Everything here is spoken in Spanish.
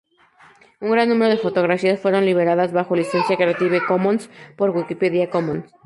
Un gran número de fotografías fueron liberadas bajo licencia Creative Commons para Wikimedia Commons.